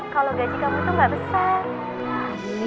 kalau gaji kamu tuh gak besar